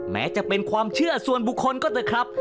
แม้จะเป็นความเชื่อส่วนบุคคลก็เถอะครับ